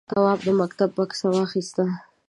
تواب د مکتب بکسه واخیسته.